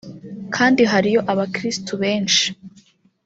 kandi hariyo abakirisito benshi